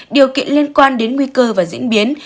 điều kiện liên quan đến nguy cơ và diễn biến